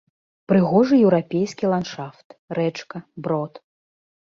Прыгожы еўрапейскі ландшафт, рэчка, брод.